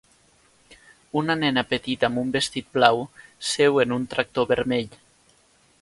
Una nena petita amb un vestit blau seu en un tractor vermell